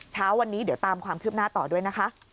เช้าวันนี้เดี๋ยวตามความคืบหน้าต่อด้วยนะคะ